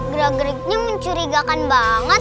gereg geregnya mencurigakan banget